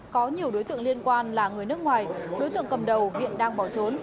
có nhiều đối tượng liên quan là người nước ngoài đối tượng cầm đầu hiện đang bỏ trốn